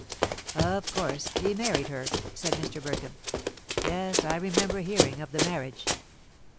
"Of course; he married her," said Mr. Burkham. "Yes; I remember hearing of the marriage."